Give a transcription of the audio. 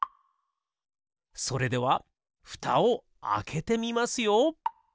それではふたをあけてみますよ！